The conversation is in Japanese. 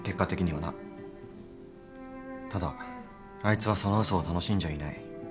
ただあいつはその嘘を楽しんじゃいない。